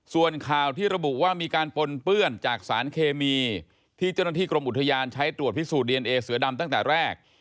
ส่วนข่าวที่ระบุว่ามีการปนเปื้อนจากสารเคมีที่เจ้าหน้าที่กรมอุทยานใช้ตรวจพิสูจนดีเอนเอเสือดำตั้งแต่แรก